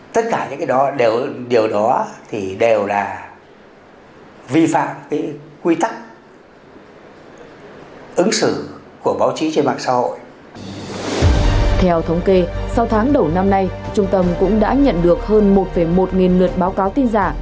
theo thống kê sau tháng đầu năm nay trung tâm cũng đã nhận được hơn một một nghìn lượt báo cáo tin giả